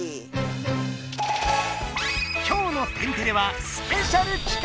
今日の「天てれ」はスペシャル企画！